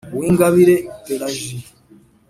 uwingabire pélagie